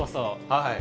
はい。